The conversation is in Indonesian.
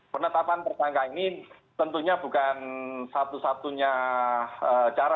penetapan tersangka ini tentunya bukan satu satunya cara